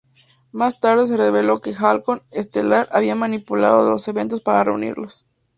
Más tarde se reveló que Halcón Estelar había manipulado los eventos para reunirlos.